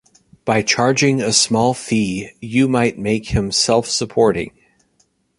By charging a small fee you might make him self-supporting.